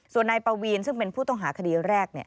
ส่วนนายปวีนซึ่งเป็นผู้ต้องหาคดีแรก